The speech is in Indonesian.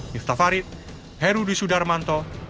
niftafarit herudi sudarmanto